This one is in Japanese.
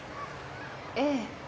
ええ。